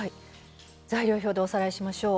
材料表でおさらいしましょう。